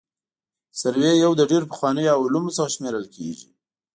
سروې یو له ډېرو پخوانیو علومو څخه شمېرل کیږي